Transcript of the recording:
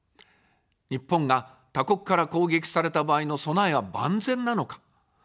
日本が他国から攻撃された場合の備えは万全なのか。